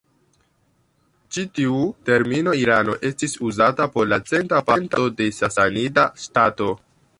Ĉi tiu termino "Irano" estis uzita por la centra parto de Sasanida ŝtato.